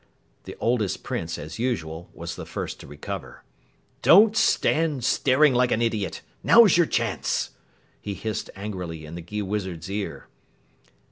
The oldest Prince, as usual, was the first to recover. "Don't stand staring like an idiot! Now's your chance!" he hissed angrily in the Gheewizard's ear.